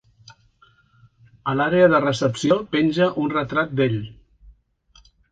A l'àrea de recepció penja un retrat d'ell.